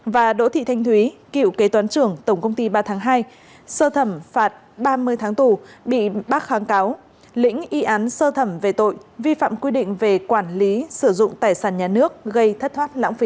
và đỗ thị thanh thúy cựu kế toán trưởng tổng công ty ba tháng hai sơ thẩm phạt ba mươi tháng tù bị bác kháng cáo lĩnh y án sơ thẩm về tội vi phạm quy định về quản lý sử dụng tài sản nhà nước gây thất thoát lãng phí